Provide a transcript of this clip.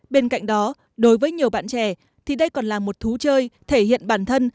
bên cạnh đó đối với nhiều bạn trẻ thì đây còn là một thú chơi thể hiện bản thân